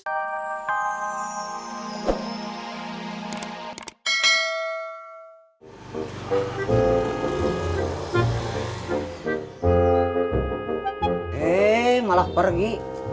hei malah pergi